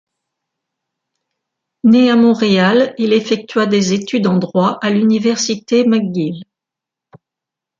Né à Montréal, il effectua des études en droit à l'Université McGill.